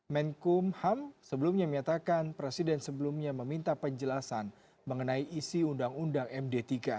menkumham sebelumnya menyatakan presiden sebelumnya meminta penjelasan mengenai isi undang undang md tiga